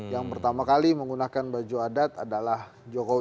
yang pertama kali menggunakan baju adat adalah jokowi